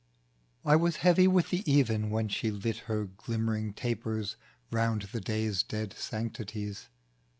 I was heavy with the even, When she lit her glimmering tapers Round the day's dead sanctities.